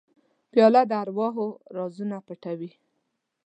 پیاله د ارواحو رازونه پټوي.